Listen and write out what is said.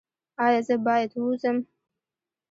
ایا زه باید ووځم؟